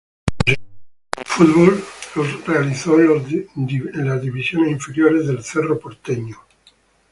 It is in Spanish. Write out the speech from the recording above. Sus inicios en el fútbol, los realizó en las divisiones inferiores de Cerro Porteño.